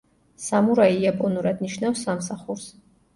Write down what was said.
სამურაი იაპონურად ნიშნავს „სამსახურს“.